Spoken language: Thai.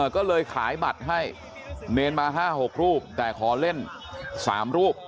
ก็เลยขายบัตรให้เนรมา๕๖รูปแต่ขอเล่น๓รูป